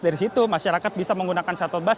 dari situ masyarakat bisa menggunakan shuttle bus